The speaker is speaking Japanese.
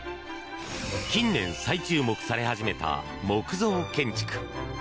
近年、再注目され始めた木造建築。